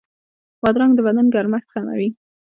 بادرنګ د بدن ګرمښت کموي.